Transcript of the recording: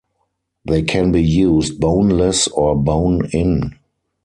They can be used boneless or bone-in.